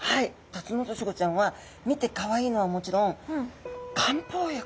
タツノオトシゴちゃんは見てかわいいのはもちろん漢方薬？